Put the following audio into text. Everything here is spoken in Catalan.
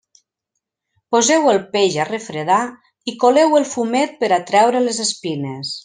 Poseu el peix a refredar i coleu el fumet per a treure les espines.